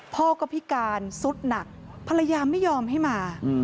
พ่อก็พิการสุดหนักภรรยาไม่ยอมให้มา